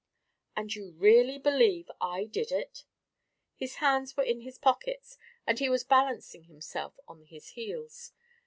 "And you really believe I did it?" His hands were in his pockets, and he was balancing himself on his heels.